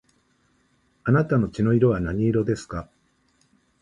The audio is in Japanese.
あなたの血の色は何色ですか